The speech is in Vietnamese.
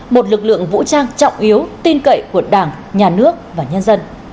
một lực lượng vũ trang trọng yếu tin cậy của đảng nhà nước và nhân dân